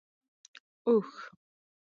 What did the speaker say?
🐪 اوښ